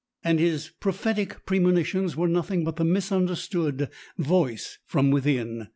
And his prophetic premonitions were nothing but the misunderstood voice from within.